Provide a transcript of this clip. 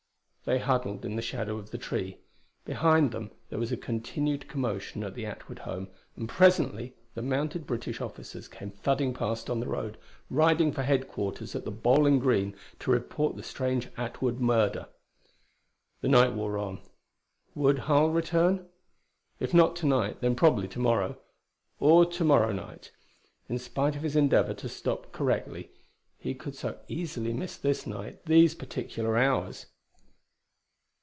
They huddled in the shadow of the tree. Behind them there was a continued commotion at the Atwood home, and presently the mounted British officers came thudding past on the road, riding for headquarters at the Bowling Green to report the strange Atwood murder. The night wore on. Would Harl return? If not to night, then probably to morrow, or to morrow night. In spite of his endeavor to stop correctly, he could so easily miss this night, these particular hours.